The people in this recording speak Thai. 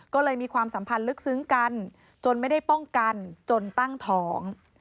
ก็เลยมีความสัมพันธ์ลึกซึ้งกันจนไม่ได้ป้องกันจนตั้งท้อง